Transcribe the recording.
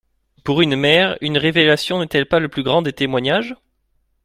Pour une mère, une révélation n’est-elle pas le plus grand des témoignages ?